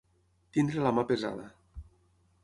Tenir la mà pesada.